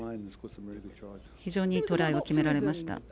非常にいいトライを決められました。